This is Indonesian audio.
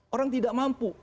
orang tidak mampu